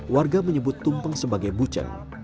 warga menyebut tumpeng sebagai bucen